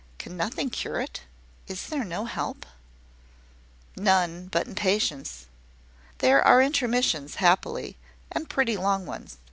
Can nothing cure it? Is there no help?" "None, but in patience. There are intermissions, happily, and pretty long ones.